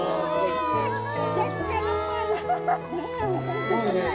すごいね！